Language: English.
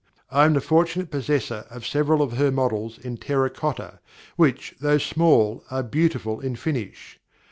I am the fortunate possessor of several of her models in terra cotta, which, though small, are beautiful in finish.